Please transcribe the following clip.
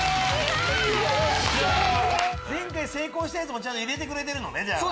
前回成功したやつも入れてくれてるのね。